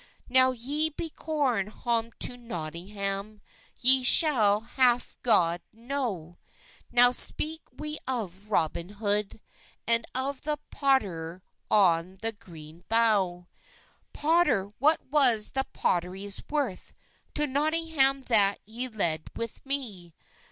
"Now ye be corn hom to Notynggam, Ye schall haffe god ynowe;" Now speke we of Roben Hode, And of the pottyr onder the grene bowhe. "Potter, what was they pottys worthe To Notynggam that y ledde with me?"